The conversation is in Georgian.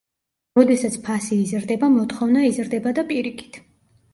როდესაც ფასი იზრდება, მოთხოვნა იზრდება და პირიქით.